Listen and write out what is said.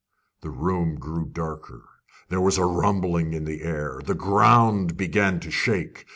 The room grew darker. There was a rumbling in the air. The ground began to shake.